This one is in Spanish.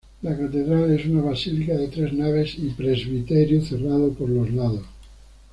La Catedral es una basílica de tres naves y presbiterio cerrado por los lados.